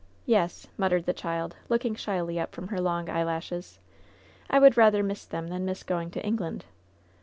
"Yes," muttered the child, looking shyly up from her long eyelashes. "I would rather miss them than miss going to England."